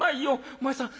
お前さん